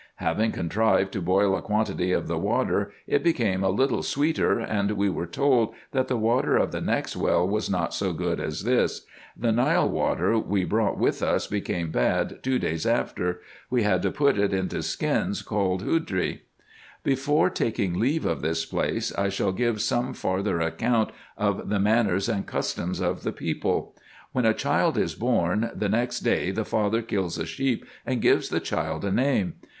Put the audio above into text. Having contrived to boil a quantity of the water, it became a little sweeter, and we were told, that the water of the next well was not so good as this. The Nile water we brought with us became bad two days after. We had put it into skins called hudry. Before taking leave of this place, I shall give some farther account of the manners and customs of the people. When a child is born, the next day the father kills a sheep, and gives the child a name.